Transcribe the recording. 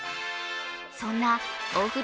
そんなお風呂